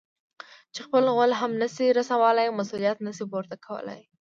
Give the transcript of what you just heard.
چې خپل غول هم نه شي رسولاى؛ مسؤلیت نه شي پورته کولای.